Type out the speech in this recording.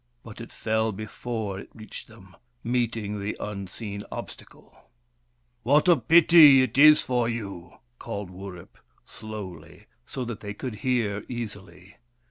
But it fell before it reached them, meeting the unseen obstacle. " What a pity — it is for you !" called Wurip, slowly, so that they could hear easily.